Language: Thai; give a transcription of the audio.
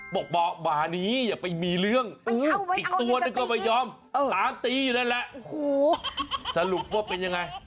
บอกบ้านี้อย่าไปมีเรื่อง